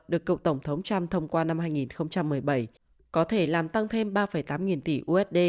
được cựu tổng thống trump thông qua năm hai nghìn một mươi bảy có thể làm tăng thêm ba tám nghìn tỷ usd